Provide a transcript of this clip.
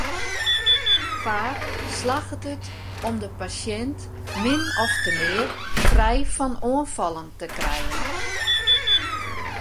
Faak slagget it om de pasjint min ofte mear frij fan oanfallen te krijen.